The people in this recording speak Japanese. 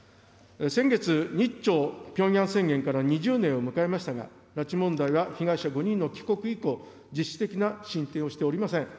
先月、日朝平壌宣言から２０年を迎えましたが、拉致問題は被害者５人の帰国以降、実質的な進展をしておりません。